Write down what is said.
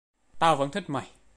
tao vẫn thích mày